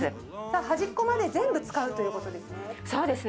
端っこまで全部使うということですね。